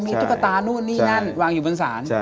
มีตุ๊กตานู่นนี่นั่นวางอยู่บนศาล